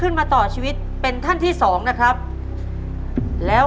คุณยายแจ้วเลือกตอบจังหวัดนครราชสีมานะครับ